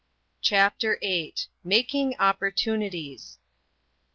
CHAPTER Vllt. MAKING OPPORTUNITIES.